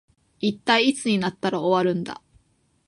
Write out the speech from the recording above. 一体いつになったら終わるんだ